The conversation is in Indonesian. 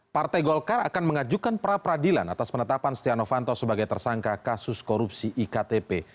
partai golkar akan mengajukan pra peradilan atas penetapan setia novanto sebagai tersangka kasus korupsi iktp